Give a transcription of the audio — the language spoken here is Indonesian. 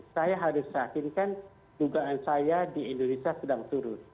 saya harus yakinkan dugaan saya di indonesia sedang turun